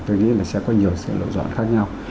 tôi nghĩ là sẽ có nhiều sự lựa chọn khác nhau